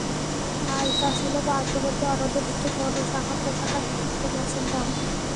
আয়কা ছিল পার্শ্ববর্তী অরণ্যের একটি ঘন শাখা-প্রশাখা বিশিষ্ট গাছের নাম।